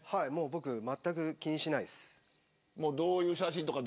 僕、まったく気にしないです。